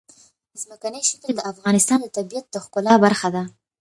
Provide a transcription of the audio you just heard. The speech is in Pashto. ځمکنی شکل د افغانستان د طبیعت د ښکلا برخه ده.